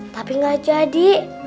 tapi gak jadi